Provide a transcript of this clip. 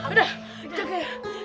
udah jaga dia